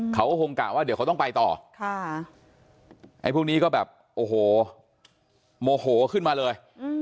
เขาก็คงกะว่าเดี๋ยวเขาต้องไปต่อไอ้พวกนี้ก็แบบโอ้โหโมโหขึ้นมาเลย